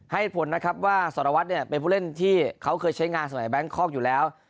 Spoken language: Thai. ให้ผลนะครับว่าสารวัตรเนี่ยเป็นผู้เล่นที่เขาเคยใช้งานสมัยแบงคอกอยู่แล้ว